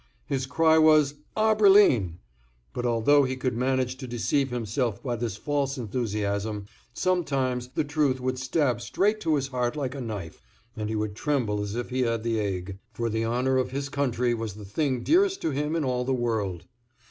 His cry was "A Berlin!" But although he could manage to deceive himself by this false enthusiasm, sometimes the truth would stab straight to his heart like a knife, and he would tremble as if he had the ague, for the honor of his country was the thing dearest to him in all the world.